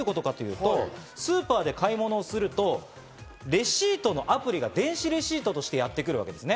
スーパーで買い物すると、レシートのアプリが電子レシートとしてやってくるわけですね。